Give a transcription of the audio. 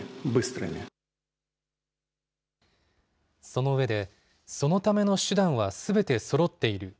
その上で、そのための手段はすべてそろっている。